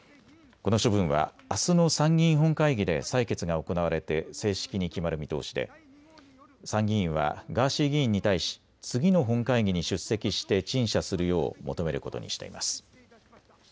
この処分はあすの参議院本会議で採決が行われて正式に決まる見通しで、参議院はガーシー議員に対し次の本会議に出席して陳謝するよう求めることにしています。